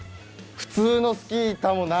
普通のスキー板はない。